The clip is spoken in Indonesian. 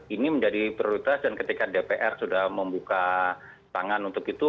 ini menjadi prioritas dan ketika dpr sudah membuka tangan untuk itu